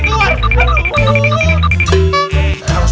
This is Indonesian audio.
wikarius tuh pelat